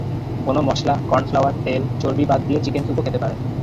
কোনো মসলা, কর্নফ্লাওয়ার, তেল, চর্বি বাদ দিয়ে চিকেন স্যুপও খেতে পারেন।